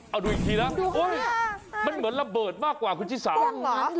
เอาดูอีกทีนะเหมือนระเบิดพิษมากกว่าคุณเจ้า